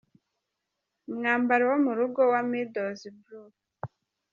Umwambaro wo mu rugo wa Middlesbrough